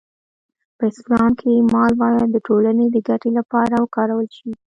په اسلام کې مال باید د ټولنې د ګټې لپاره وکارول شي.